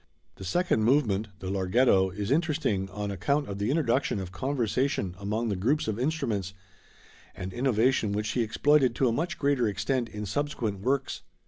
The second movement, the Larghetto, is interesting on account of the introduction of conversation among the groups of instruments, an innovation which he exploited to a much greater extent in subsequent works.